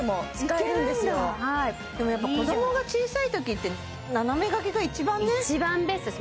いけるんだでもやっぱ子供が小さいときって斜めがけが一番ね一番ベストです